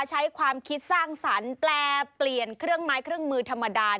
ใช้ความคิดสร้างสรรค์แปลเปลี่ยนเครื่องไม้เครื่องมือธรรมดา